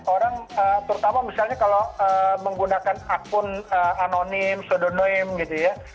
orang terutama misalnya kalau menggunakan akun anonim sodonoim gitu ya